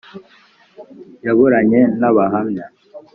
yaburanye n Abahamya .